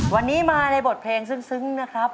วันนี้มาในบทเพลงซึ้งนะครับ